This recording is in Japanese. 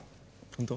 本当？